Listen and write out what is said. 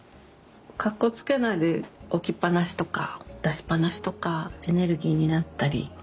かっこつけないで置きっぱなしとか出しっぱなしとかエネルギーになったりホッとしたり。